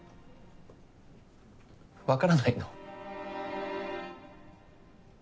わからないの？